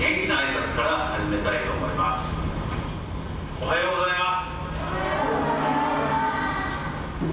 おはようございます。